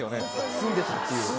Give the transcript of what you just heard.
住んでたっていう。